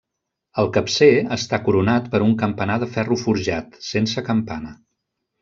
El capcer està coronat per un campanar de ferro forjat, sense campana.